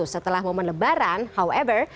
setelah momen lebaran however